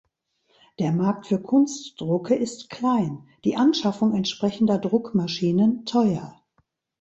Der Markt für Kunstdrucke ist klein, die Anschaffung entsprechender Druckmaschinen teuer.